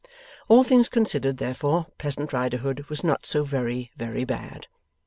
All things considered, therefore, Pleasant Riderhood was not so very, very bad.